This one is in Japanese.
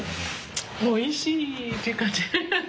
「おいしい！」って感じ。